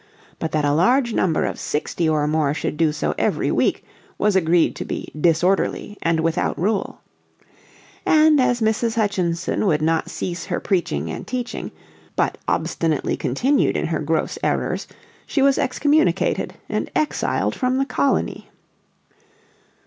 But that a large number of sixty or more should do so every week was agreed to be "disorderly and without rule." And as Mrs. Hutchinson would not cease her preaching and teaching, but obstinately continued in her gross errors, she was excommunicated and exiled from the colony.